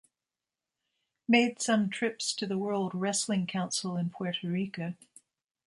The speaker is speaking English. Made some trips to the World Wrestling Council in Puerto Rico.